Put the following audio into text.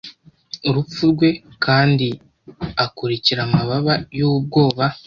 Urupfu rwera kandi akurikira amababa yubwoba